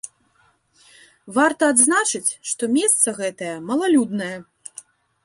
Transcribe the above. Варта адзначыць, што месца гэтае малалюднае.